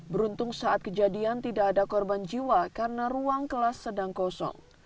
beruntung saat kejadian tidak ada korban jiwa karena ruang kelas sedang kosong